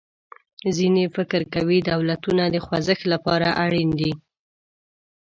ځینې فکر کوي دولتونه د خوځښت له پاره اړین دي.